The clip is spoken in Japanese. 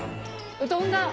うどんだ！